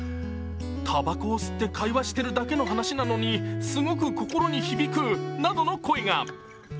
たばこを吸って会話してるだけの話なのにすごく心に響くなどの声が。